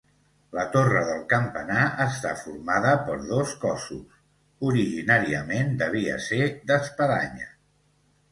La torre del campanar està formada per dos cossos, originàriament devia ser d'espadanya.